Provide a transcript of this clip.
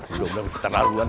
udah bener bener keterlaluan